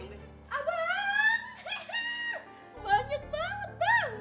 banyak banget bang